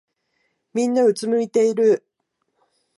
みんなうつむいてる。